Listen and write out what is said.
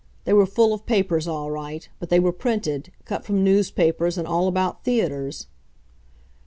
They were full of papers all right, but they were printed, cut from newspapers, and all about theaters.